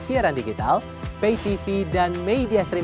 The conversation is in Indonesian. biar diputuskan oleh hakim